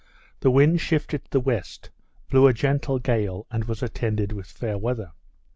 the wind shifted to the west, blew a gentle gale, and was attended with fair weather.